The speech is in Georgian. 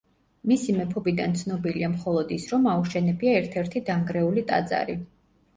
მისი მეფობიდან ცნობილია მხოლოდ ის, რომ აუშენებია ერთ-ერთი დანგრეული ტაძარი.